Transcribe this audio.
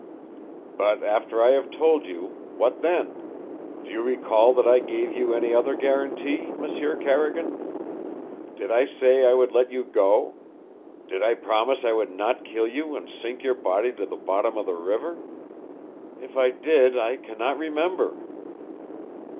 "But after I have told you what then? Do you recall that I gave you any other guarantee, M'sieu Carrigan? Did I say I would let you go? Did I promise I would not kill you and sink your body to the bottom of the river? If I did, I can not remember."